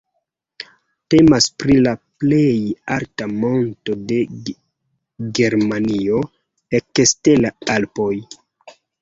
Temas pri la plej alta monto de Germanio ekster la Alpoj.